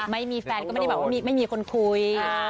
ไม่มีแฟนก็ไม่ได้แบบว่าไม่มีคนคุย